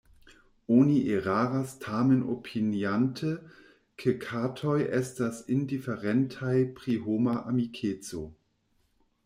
Oni eraras tamen opiniante, ke katoj estas indiferentaj pri homa amikeco.